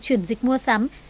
chuyển dịch mua sắm